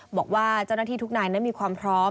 บอกว่าเจ้าหน้าที่ทุกนายนั้นมีความพร้อม